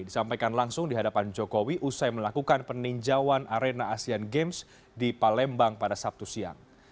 disampaikan langsung di hadapan jokowi usai melakukan peninjauan arena asean games di palembang pada sabtu siang